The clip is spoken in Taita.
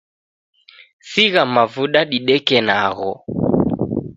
Sigha mavuda dideke nagho